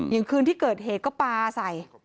อย่างคืนที่เกิดเหตุก็ปลาใส่